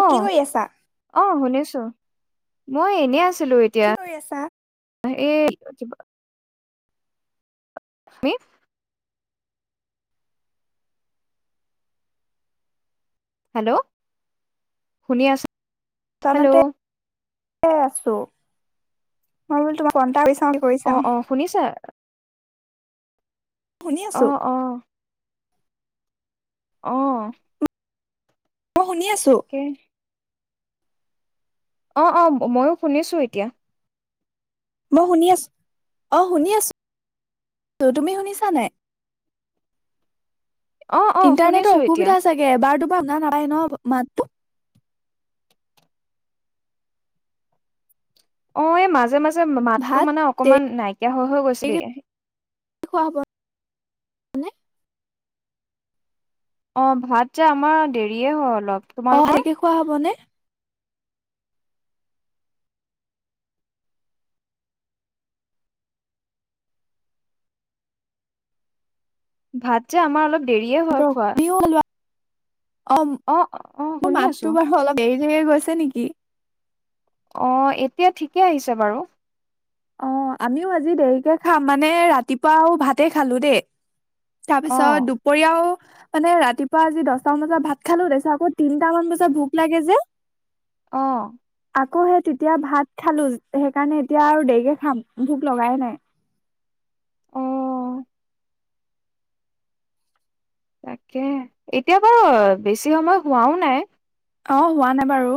অ' কি কৰি আছা? শুনিছো অ' মই এনে আছো। ছিলো, এতিয়া কি কৰি আছা এই [inaudible] কি? হেল্ল' শুনি আছ হেল্ল'! দোকানতে আছো মই বোলো তোমাক কন্টাছ অ অ শুনিছা! শুনি অ আছো অ! অ অ! মই শুনি আছো। তাকে অ অ মইও শুনিছো এতিয়া, মই শুনি আছো অ শুনি আছো তুমি শুনিছা নাই। অ', অ', ইণ্টাৰনেটৰ শুনিছো এতিয়া অসুবিধা চাগে এবাৰ তাই গান নাগাইন মাতো অ এ মাজে মাজে মাতটো ভাত মানে অকমান নাই। এতিয়া হৈ হৈ গৈছিলি খুৱ হ'বে, নে অ ভাত যে আমাৰ দেৰিয়ে হয় অলপ। অ তোমালোকৰ তকে খোৱা হব ন? ভাত যে আমাৰ অলপ দেৰিয়ে হয় খোৱা। তুমিও লোৱা অ অ', মোৰ শুনি আছো মাতটো বাৰু অলপ দেৰি [inaudible] গৈছে নেকি অ এতিয়া ঠিকে আহিছে বাৰু। অ আমিও আজি দেৰিকে খাম মানে ৰাতিপুৱাও ভাতে খালো দেই। তাৰ পিছত অ', দুপৰীয়াও মানে ৰাতিপুৱা আজি দহটামান বজাত ভাত খালো তাৰপিছত আকৌ তিনটামান বজাত ভোক লাগে যে অ। আকৌ সে তেতিয়া ভাত খালো সেইকাৰণে এতিয়া আৰু দে খাম ভোক লগাই নাই। অ', তাকে এতিয়া বাৰু বেছি সময় হোৱাও নাই। অ হোৱা নাই বাৰু।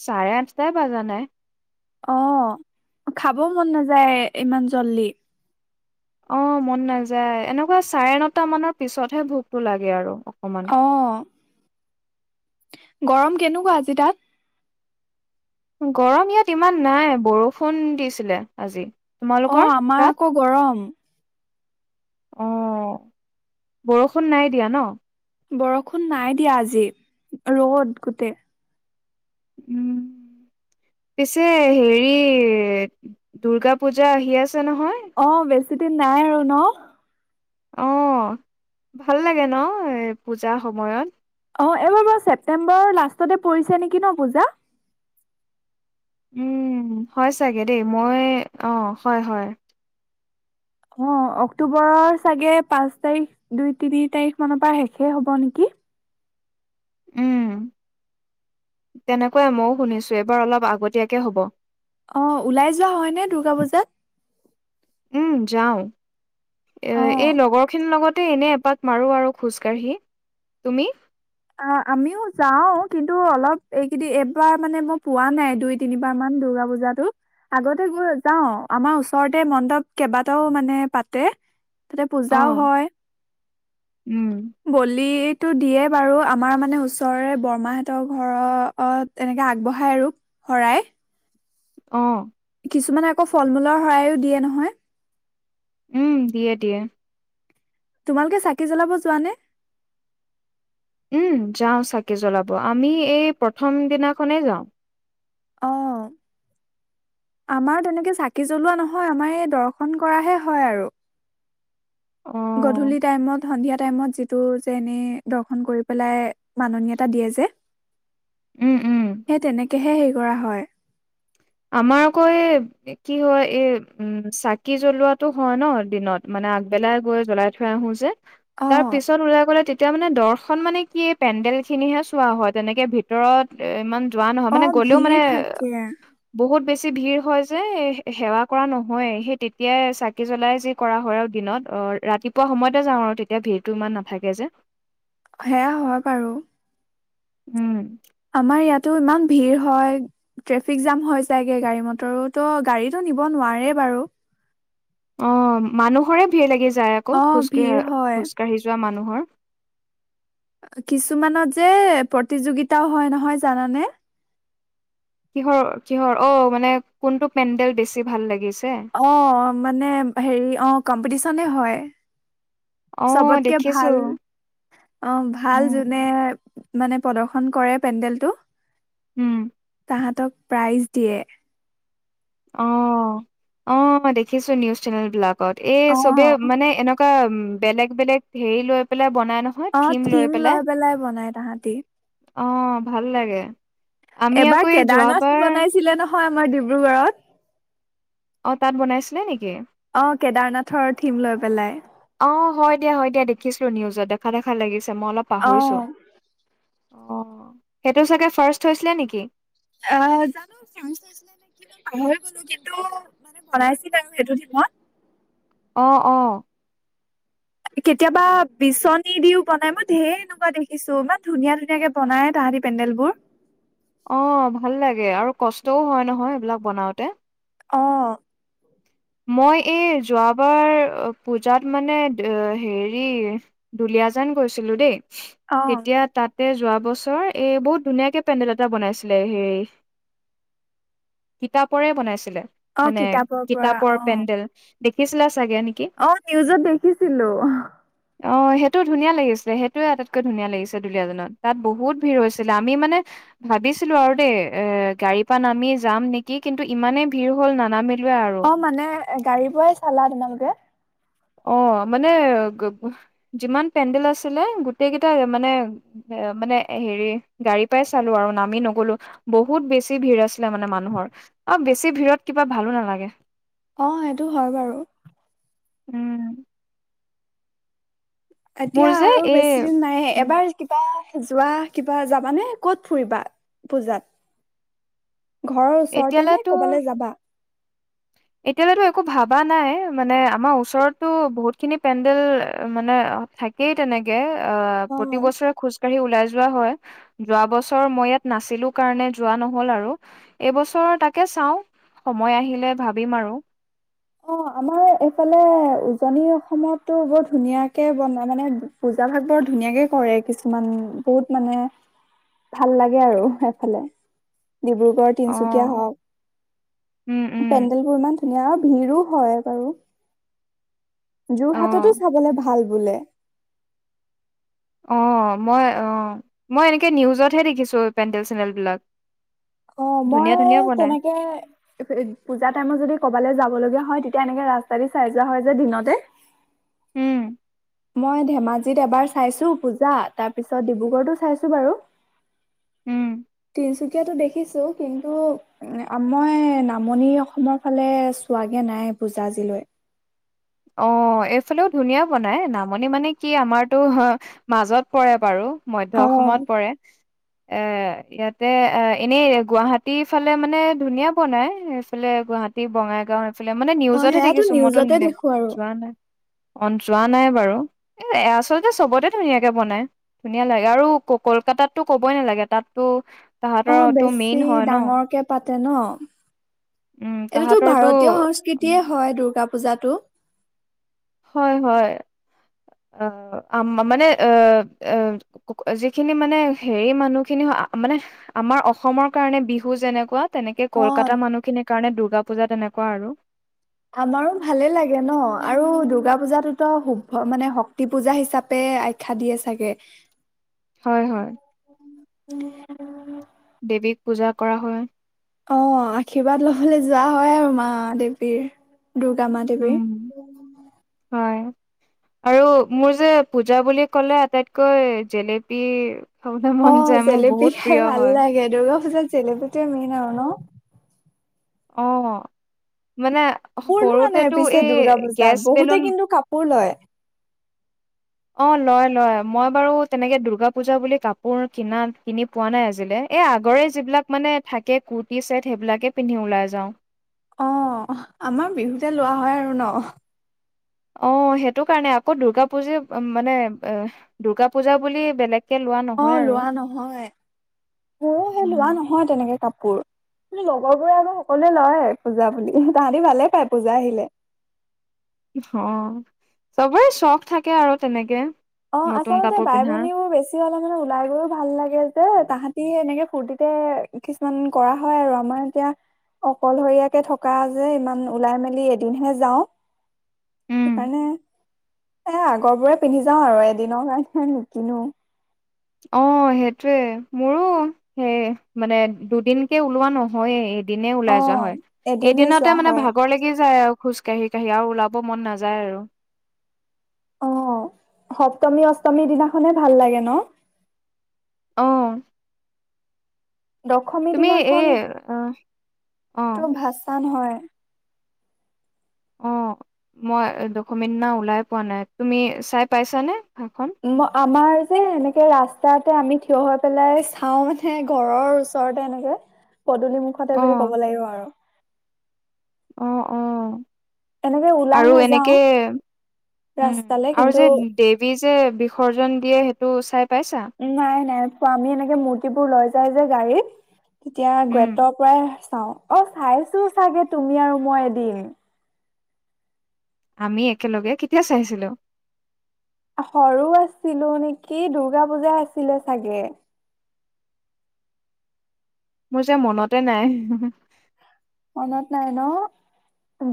চাৰে আঠটা বাজা নাই। অ খাব মন নাযায় ইমান জল্দি। অ মন নাযায় এনেকুৱা চাৰে নটা মানৰ পিছতহে ভোকতটো লাগে আৰু। অকমান আহ। গৰম কেনেকুৱা আজি তাত? গৰম ইয়াত ইমান নাই বৰষুণ দিছিলে আজি। অ তোমালোকৰ আমাৰ তাত আকৌ গৰম। অ বৰষুণ নাই দিয়া ন? বৰষুণ নাই দিয়া আজি, ৰ'দ গোটেই। উম পিছে হেৰি, দুূৰ্গা পূজা আহি আছে নহয়। অ', বেছি দিন নাই আৰু ন? অঁ, ভাল লাগে ন, এ পূজাৰ সময়ত। অ', এইবাৰ বাৰু ছেপটেম্বৰৰ লাষ্টতে পৰিছে নেকি ন পূজা? উম হয় চাগে দেই, মই অ', হয় হয়। অ', অক্টোবৰৰ চাগে পাঁচ তাৰিখ দুই তিনি তাৰিখ মানৰ পৰা শেষে হ'ব নেকি? উম, তেনেকুৱাই মইয়ো শুনিছো এইবাৰ অলপ আগতীয়াকে হব। অ', ওলাই যোৱা হয়নে দুৰ্গা পূজাত? উম যাও। এ অ', এই লগৰ খিনিৰ লগত। তে এনে এপাক মাৰো আৰু খোজকাাঢ়ি, তুমি? অ', আমিও যাও কিন্তু অলপ এইকেই এইবাৰ মানে মই পোৱা নাই, দুই তিনিবাৰ মান দুৰ্গা পুজাটো, আগতে গৈ যাও আমাৰ ওচৰতে মণ্ডপ কেইবাটাও মানে পাতে। তাতে অ পূজাও হয়, উম গলিত টো দিয়ে। বাৰু আমাৰ মানে ওচৰৰে বৰমাহতৰ ঘৰত এনেকে আগবঢ়াই আৰু, শৰাই। অ', কিছুমান আকৌ ফল মূলৰ শৰাইয়ো দিয়ে নহয়। উম দিয়ে দিয়ে। তোমালোকে চাকি জ্বলাব যোৱানে? উম যাওঁ চাকি জ্বলাব, আমি এই প্ৰথম দিনাখনেই যাওঁ। অ', আমাৰ তেনেকে চাকি জ্বলোৱা নহয়, আমাৰ এই দৰ্শন কৰাহে হয় আৰু। অ গধূলি টাইমত। সন্ধিয়া টাইমত যিটো যে এনেই দৰ্শন কৰি পেলাই মাননীয়তা দিয়ে যে। উম উম। তেহে হেৰি কৰা হয়। আমাৰ আকৌ য়ে কি হয়, এই উম চাকি জ্বলোৱাটো হয় ন দিনত মানে আগবেলাই গৈ জ্বলাই থৈ আহো যে। অ তাৰ পিছত ওলাই গ'লে তেতিয়া মানে দৰ্শ এখন মানে কি পেণ্ডেল খিনিহে চোৱা হয়, তেনেকে ভিতৰত ইমান যোৱা নহয় অ মানে গ'লেও ভিৰ মানে থাকে বহুত বেছি ভিৰ হয় যে, সেৱা কৰা নহয়ে, সেই তেতিয়াই চাকি জ্বলাই যি কৰা হয় আৰু দিনত ৰাতিপুৱা সময়তে যাওঁ আৰু তেতিয়া ভিৰটো ইমান নাথাকে যে। সেয়া হয় বাৰু। উম। আমাৰ ইয়াতো ইমান ভিৰ হয়, ট্ৰেফিক জাম হৈ যায়গে, গাড়ী মটৰোতো গাড়ীতটো নিব নোৱাৰে বাৰু। অ', মানুহৰে ভিৰ লাগি যায় আকৌ, অ খোজ ভিৰ কাঢ়ে হয় খোজ কাঢ়ি যোৱা মানুহ। ঘৰ কিছুমানত যে প্ৰতিযোগিতাও হয়, নহয় জানানে? কিহৰ কিহৰ অ', মানে কোনটো পেণ্ডেল বেছি ভাল লাগি অ', মানে হেৰি অ', কম্পিতিচন এ হয়। অ চবতকে দেখিছো ভাল অ', ভাল যোনে উম মানে প্ৰদৰ্শন কৰে পেণ্ডেলটো। উম। সেহেতক প্ৰাইজ দিয়ে। অ', অ', দেখিছো নিউজ চেনেল বিলাক। ত এই অ চবে মানে এনেকুৱা বেলেগ বেলেগ হেৰি লৈ পেলাই অ', থিম লৈ পেলাই বনাই তাহাঁতি। অ', ভাল লাগে। আমি আকৌ এবাৰ এই কেদাৰনাথ যোৱাবাৰ বনাইছিলে নহয়। হয় আমাৰ ডিব্ৰুগড়ত। অ', তাত বনাইছিলে নেকি? অ', কেদাৰনাথৰ থিম লৈ পেলাই। অ', হয় দিয়া হয় দিয় দেখিছিলোঁ নিউজত দেখা দেখা লাগিছে। মই অলপ অ পাহৰিছোঁ। অ' সেইটো চাগে ফাৰ্ষ্ট হৈছিলে নেকি? আহ জানো চ চ পাহৰি গলো কিন্তু মানে বনাইছিল তো সেইটো দিনত অ' অ'। কেতিয়াবা বিচনী দিও বনাই মই ধেৰ এনেকুৱা দেখিছো ইমান ধুনীয়া ধুনীয়াকে বনাই তাহাঁতি পেণ্ডেল বোৰ। অ' ভাল লাগে আৰু কষ্টও হয় নহয় এইবিলাক বনাওতে। অ'। মই এই যোৱাবাৰ পূজাত মানে হেৰি, দুলিয়াজান গৈছিলো দেই। অ তেতিয়া তাত তে যোৱা বছৰ এ বহুত ধুনীয়াকে পেণ্ডেল এটা বনাইছিলে হে, কিতাপৰে বনাইছিল। অ' কিতাপৰ পৰা। ৰ অ পেণ্ডেল দেখিছিলা চা অ' নিউজত দেখিছিলো। অ' সেইটো ধুনীয়া লাগিছিল সেইটোৱে আটাইতকৈ ধুনীয়া লাগিছে দুলীয়াজনত, ‌ তাত বহুত ভিৰ হৈছিলে, আমি মানে ভাবিছিলো আৰু দেই এ গাড়ীৰ পৰা নামি যাম নেকি কিন্তু ইমানেই ভিৰ হল নানাামি [unintelligible] আৰু অ মানে গাড়ীৰ পৰাই চালা তোমালোকে? অ' মানে যিমান পেণ্ডেল আছিলে গোটেই কেইটা মানে এ মানে হেৰি গাড়ী পাই চালো আৰু নামি নগলো বহুত বেছি ভিৰ আছিলে মানে মানুহৰ আৰু বেছি ভিৰত কিবা ভালো নালাগে। অ' সেইটো হয় বাৰু। উম। মোৰ এতিয়া যে আৰু এই বেছি দিন নাই এবাৰ কিবা যোৱা কিবা যাবানে কত ফুৰিবা, পূজাত? ঘৰৰ ওচৰতে নে ক'বালৈ যাবা? এতিয়ালৈ একো ভাবা নাই, মানে আমাৰ ওচৰতটো বহুত খিনি পেণ্ডেল মানে থাকেই তেনেকে। আ অ। প্ৰতি বছৰে খোজ কঢ়ি ওলাই যোৱা হয়, যোৱা বছৰ মই ইয়াত নাছিলো কাৰণে যোৱা নহ'ল। আৰু এইবছৰ তাকে চাও সময় আহিলে ভাবিম আৰু। অ' আমাৰ এইফালে উজনি অসমতো বৰ ধুনীয়াকে বনাই মানে পূজা ভাগ বৰ ধুনীয়াকে কৰে কিছুমান বহুত মানে ভাল লাগে আৰু এফালে। ডিব্ৰুগড়, অ তিনচুকীয়া হওঁক উম উম পেণ্ডেল বোৰ ইমান ধুনীয়া। ভিৰো হয় বাৰু। অ যোৰহাটতো চাবলে ভাল। বোলে। অ' মই অ' মই এনেকে নিউজতহে দেখিছো পেণ্ডেল চেণ্ডেলবিলাক। অ' মই তেনেকে পূজা টাইমত যদি কবালৈ যাওঁ লগা হয় তেতিয়া এনেকে ৰাস্তা দি চাই যোৱা হয় যে দিনতে উম মই ধেমাজিত এবাৰ চাইছো পূজা। তাৰ পিছত ডিব্ৰুগড়তো চাইছো বাৰু। উম তিনিচুকীয়াতটো দেখি দেখিছো কিন্তু মই নামনি অসমৰ ফালে চোৱাগে নাই পুজা আজিলৈ। অ' এইফালেও ধুনীয়া বনাই নামনি মানে কি আমাৰতো মাজত পৰে বাৰু। মধ্য অ অসমত পৰে। এ, ইয়াতে অ', এনেই গুৱাহাটী ফালে মানে ধুনীয়া বনাই এফালে গুৱাহাটী, বঙাইগাওঁ [unintelligible] মানে অ নিউজতহে সেয়াতো দেখিছোঁ মইতো নিউজতে দেখো আৰু যোৱা নাই। অ', যোৱা নাই বাৰু এ, আচলতে চবতে ধুনীয়াকে বনাই, ধুনীয়া লাগে আৰু কল-কলকাতাতো ক'বই নালাগে তাতটো অ', বেছি ডাঙৰকে পা তে, ন? উম এইটোতো তাহাঁতৰতো ভাৰতীয় সংস্কৃতিয়ে হয়, দুৰ্গা পূজাটো হয়, হয়, অ', আ-মানে অ', অ', যিখিনি মানে হেৰি মানুহখিনি মানে আমাৰ অসমৰ কাৰণে বিহু যেনেকুৱা তেনেকে অ কলকাতা মানুহখিনিৰ কাৰনে দু দুৰ্গা পূজা তেনেকুৱা আৰু আমাৰো ভালে লাগে ন' আৰু দুৰ্গা পূজাতটোতো শুভ মানে, শক্তি পূজা হিচাপে আখ্যা দিয়ে চাগে। হয়, হয়। দেৱীক পূজা কৰা হয়। অ', আশীৰ্বাদ ল'বলৈ যোৱা হয়, আৰু মা দেৱীৰ দুৰ্গা মা উম দেৱীৰ হয় আৰু মোৰ যে পূজা বুলি ক'লে আটাইতকৈ জেলেপি খাবলৈ অ মন যায় মোৰ জেলেপি বহুত খাই প্ৰিয় ভাল হয় লাগে দুৰ্গা পূজাত জেলেপী টোৱে মেইন আৰু ন? অ মানে কাপোৰ লোৱা নাই সৰুতেটো পিছে দুৰ্গা এই পূজাত গেছ বহুতে বেলুন কিন্তু কাপোৰ লয় অ, লয়- লয় মই বাৰু তেনেকে দূৰ্গা পূজা বুলি কাপোৰ কনা কিনি পোৱা নাই আজিলে এই আগৰে যিবিলাক মানে থাকে কুুৰ্তি ছেট সেইবিলাকে পিন্ধি ওলাই যাওঁ। অ আমাৰ বিহুতে লোৱা হয় আৰু ন? অ, সেইটো কাৰণে আকৌ দুৰ্গা পুজি মানে দুৰ্গা পূজা বুলি বেলেগ অ, লোৱা নহয় মোৰো সেই লোৱা উম, নহয় তেনেকে কাপ পোৰ [unintelligible] লগৰ বোৰে আকৌ সকলোৱে লয় পূজা বুলি তাহাঁতি ভালে পায় পূজা আহিলে। [unintelligible] চবৰে চখ থাকে আৰু তেনেকে। অ, নতুন আচলতে কাপোৰ বাই পিন্ধাৰ ভনীও বেছি হলে মানে ওলাই গৈও ভাল লাগে যে তাহাঁ ই এনেকে ফূৰ্তিতে কিছুমান কৰা হয় আৰু আমাৰ এতিয়া অকলশৰীয়াকে থকা যে ইমান ওলাই মেলি এদিনহে যাওঁ। উম। সেইকাৰণে এ আগৰ বোৰে পিন্ধি যাওঁ আৰু এদিনৰ কাৰণেহে নিকিনো। অ সেইটোৱে মোৰো সেই মানে দুদিনকে ওলোৱা নহয়ে এদিনে অ ওলাই যোৱা হয়, এদিনে যোৱা এদিনতে মানে হয় ভাগৰ লাগি যায় আৰু খোজ কাঢ়ি কাঢ়ি আৰু ওলাব মন নাযায় আৰু। অ সপ্তমী অষ্টমীৰ দিনাখনে ভাল লাগে ন? অঁ। দশমী দিনাখন, অ', ত অ', ভাচান হয়। অঁ মই দশমী দিনা ওলাই পোৱা নাই, তুমি চাই পাইছানে? ভাষণ? ম আমাৰ যে এনেকে ৰাস্তাতে আমি থিয় হৈ পেলাই চাওঁ মানে ঘৰৰ ওচৰতে এনেকে। পদূলি মুখতে বুলি অ', ক'ব লাগিব আৰু। অঁহ অঁ। এনেকে ওলাই আৰু নাযাও এনেকে উম ৰাস্তালে আৰু কিন্তু যে দেৱী যে বিসৰ্জন দিয়ে টো চাই পাইছা? নাই নাই আমি এনেকে মূৰ্তিবোৰ লৈ যাই যে গাড়ীত তেতিয়া উম, গুৱেটৰ পৰাই চাওঁ অ', চাইছোঁ চাগে তুমি আৰু মই এদিন। আমি একেলগে কেতিয়া চাইছিলোঁ? সৰু আছিলোঁ নিকি? দুৰ্গা পূজা আছিলে চাগে। মোৰ যে, মনতে নাই। মনত নাই ন?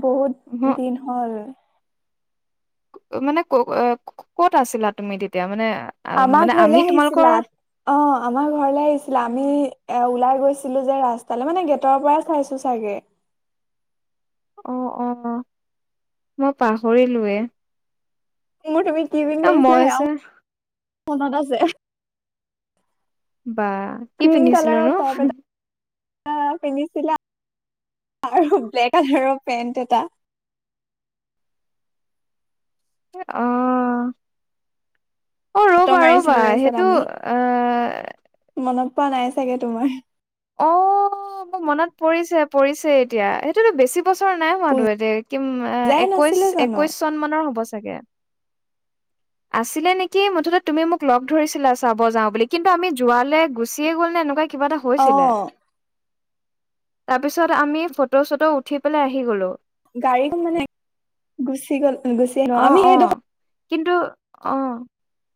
বহুত দিন হ'ল। মানে ক-ক'ত আছিলা? তুমি তেতিয়া মানে আমাৰ মানে আমি ঘৰলে তোমালোকৰ আহিছিলা, অ', আমাৰ ঘৰলে আহিছিলা, আমি ওলাই গৈ ছিলো যে, ৰাস্তালৈ মানে গেটৰ পৰাই চাইছোঁ চাগে। অ', অ', মই পাহৰিলোৱে। মোৰ‌ তুমি কি পিন্ধি এ আহিছিলা মই আছ সেয়াও মনত আছে। বা কি পিন্ধিছিলো নো? আহ পিন্ধিছিলা, আৰু ব্লেক কালাৰৰ পেন্ট এটা। আহ। অ' ফটো ৰবা মাৰিছিলো ৰবা তাৰপিছত সেইটো, আমি এ মনত পোৱা নাই চাগে তোমাৰ। অ' মোৰ মনত পৰিছে পৰিছে এতিয়া সেইটোতো বেছি বছৰ নাই হোৱাতো এতে কিম পূজাই একৈশ নাছিলে জানো একৈশ চন মানৰ হ'ব। জাকে আছিলে নেকি মুঠতে তুমি মোক লগ ধৰিছিলা চাব যাও বুলি কিন্তু আমি যোৱালৈ গুচিয়ে গ'ল নে এনেকুৱা কিবা এটা অ হৈছিলে। তাৰপিছত আমি ফটো চটো উঠি পেলাই আহি গলো। গাড়ীখন মানে গুচি গ'ল, গুচি আহিলোঁ অ', আমি এইডখ অ', কিন্তু অ',